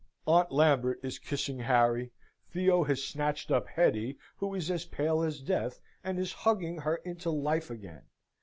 Aunt Lambert is kissing Harry, Theo has snatched up Hetty who is as pale as death, and is hugging her into life again.